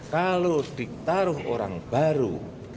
kalau ditaruh orang baru